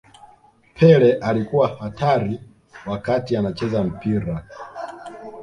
pele alikuwa hatari wakati anacheza mpira